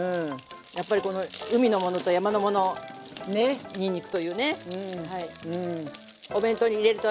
やっぱりこの海のものと山のものにんにくというね。